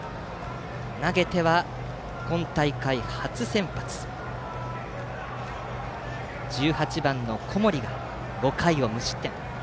投げては今大会初先発１８番の小森が５回を無失点。